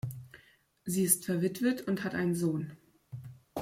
Sie ist verwitwet und hat einen Sohn.